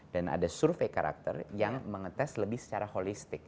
dan ada survei karakter yang mengetes lebih secara holistik